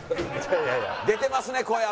出てますね声。